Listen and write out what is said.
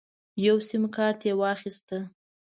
یو سیم کارت یې واخیست.